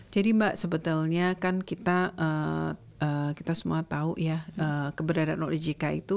jadi mbak sebetulnya kan kita semua tahu ya keberadaan oligika itu